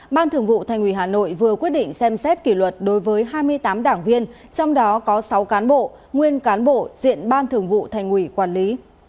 hai nghìn hai mươi ba ban thường vụ thành ủy hà nội vừa quyết định xem xét kỷ luật đối với hai mươi tám đảng viên trong đó có sáu cán bộ nguyên cán bộ diện ban thường vụ thành ủy quản lý